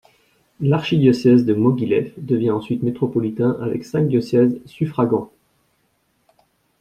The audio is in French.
L'archidiocèse de Moguilev devient ensuite métropolitain avec cinq diocèses suffragants.